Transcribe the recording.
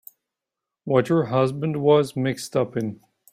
What your husband was mixed up in.